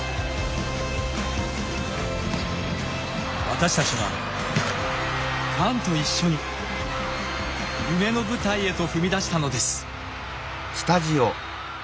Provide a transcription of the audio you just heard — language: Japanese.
私たちはファンと一緒に夢の舞台へと踏み出したのです。